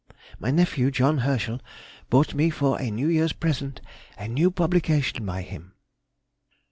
_—My nephew, John Herschel, brought me, for a New Year's present, a new publication by him.